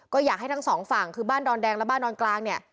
ก็อยากให้ทั้งสองฝั่งคือบ้านดอนแดงและบ้านดอนกลางเนี่ย